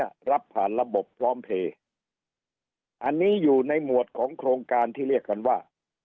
รับผ่านระบบพร้อมเพลย์อันนี้อยู่ในหมวดของโครงการที่เรียกกันว่า